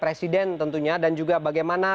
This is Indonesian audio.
presiden tentunya dan juga bagaimana